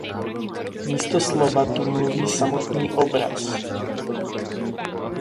Místo slova tu mluví samotný obraz.